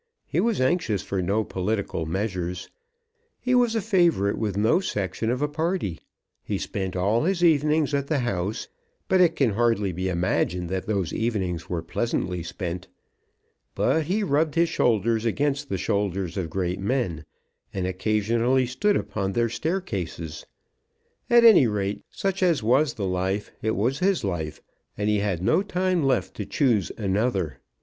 He was anxious for no political measures. He was a favourite with no section of a party. He spent all his evenings at the House, but it can hardly be imagined that those evenings were pleasantly spent. But he rubbed his shoulders against the shoulders of great men, and occasionally stood upon their staircases. At any rate, such as was the life, it was his life; and he had no time left to choose another.